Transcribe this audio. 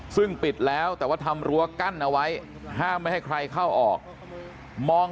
ซึ่งปิดแล้วแต่ว่าทำรั้วกั้นเอาไว้ห้ามไม่ให้ใครเข้าออกมอง